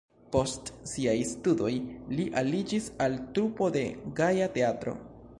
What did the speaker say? Post siaj studoj li aliĝis al trupo de Gaja Teatro.